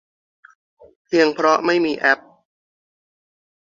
เพียงเพราะไม่มีแอป